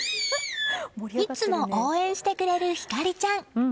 いつも応援してくれるひかりちゃん。